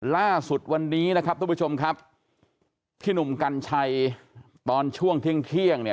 ล่าสุดวันนี้นะครับทุกผู้ชมครับพี่หนุ่มกัญชัยตอนช่วงเที่ยงเที่ยงเนี่ย